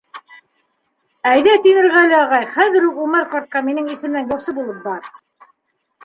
— Әйҙә, Тимерғәле ағай, хәҙер үк Үмәр ҡартҡа минең исемдән яусы булып бар.